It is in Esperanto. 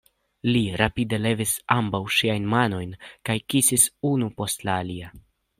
Li rapide levis ambaŭ ŝiajn manojn kaj kisis unu post la alia.